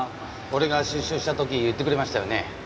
俺が出所した時言ってくれましたよね。